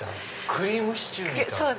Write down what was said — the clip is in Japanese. クリームシチューみたい。